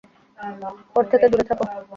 ওর থেকে দূরে থাকো।